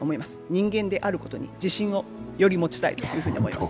人間であることに自信をより持ちたいと思います。